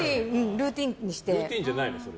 ルーティンじゃないの？